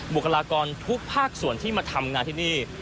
บุคลากรทุกภาคส่วนที่มาทำงานที่นี่